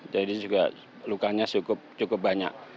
jadi juga lukanya cukup banyak